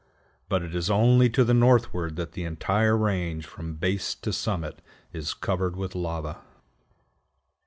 But it is only to the northward that the entire range, from base to summit, is covered with lava.